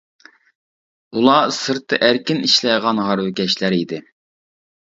ئۇلار سىرتتا ئەركىن ئىشلەيدىغان ھارۋىكەشلەر ئىدى.